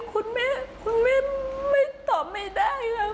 คุณแม่คุณแม่ไม่ตอบไม่ได้ค่ะ